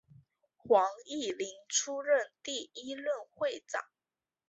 黄锡麟出任第一任会长。